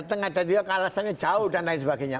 datang ada dia kealasannya jauh dan lain sebagainya